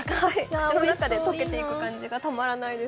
口の中で溶けていく感じがたまらないです。